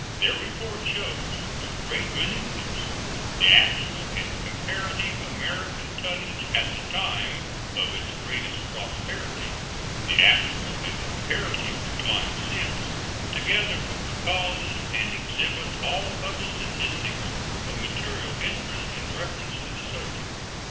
Their report shows with great minuteness the actual and comparative American tonnage at the time of its greatest prosperity; the actual and comparative decline since, together with the causes; and exhibits all other statistics of material interest in reference to the subject.